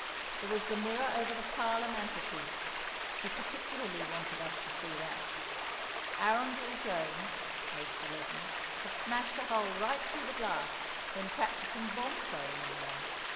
There was the mirror over the parlour mantelpiece, she particularly wanted us to see that. Arundel Jones (aged eleven) had smashed a hole right through the glass when practising bomb throwing in there.